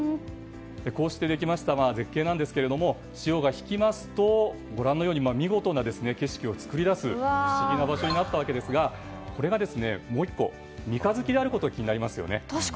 こうしてできました絶景ですが潮が引きますと、ご覧のように見事な景色を作り出す不思議な場所になったわけですがもう１個、三日月であることが気になりますね。